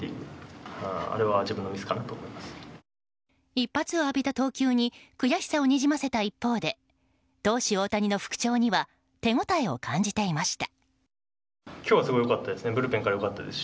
一発を浴びた投球に悔しさをにじませた一方で投手・大谷の復調には手応えを感じていました。